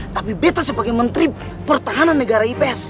tapi bebas sebagai menteri pertahanan negara ips